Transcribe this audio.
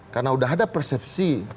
karena sudah ada persepsi